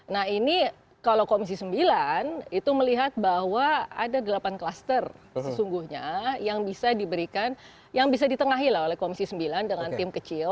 nah ini kalau komisi sembilan itu melihat bahwa ada delapan klaster sesungguhnya yang bisa diberikan yang bisa ditengahi lah oleh komisi sembilan dengan tim kecil